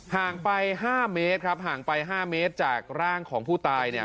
ห่างไป๕เมตรครับห่างไป๕เมตรจากร่างของผู้ตายเนี่ย